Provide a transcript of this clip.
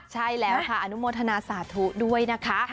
ใช่แล้วค่ะอนุโมทนาสาธุด้วยนะคะ